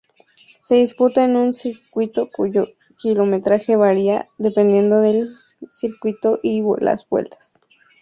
Se disputa en un circuito cuyo kilometraje varía dependiendo del circuito y las vueltas.